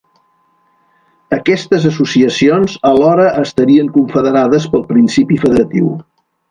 Aquestes associacions alhora estarien confederades pel principi federatiu.